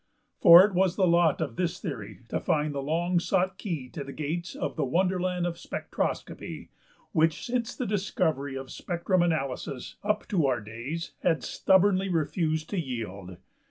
For it was the lot of this theory to find the long sought key to the gates of the wonderland of spectroscopy which since the discovery of spectrum analysis up to our days had stubbornly refused to yield.